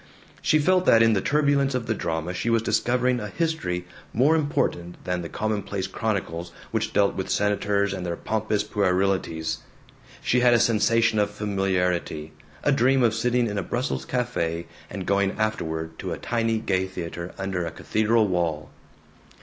She felt that in the turbulence of the drama she was discovering a history more important than the commonplace chronicles which dealt with senators and their pompous puerilities. She had a sensation of familiarity; a dream of sitting in a Brussels cafe and going afterward to a tiny gay theater under a cathedral wall.